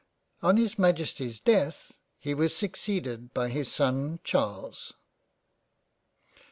On his Majesty's death he was succeeded by his son Charles.